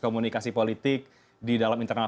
komunikasi politik di dalam internal